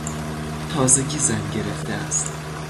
تازگی زن گرفته است.